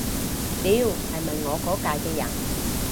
屌，係咪我嗰屆嘅人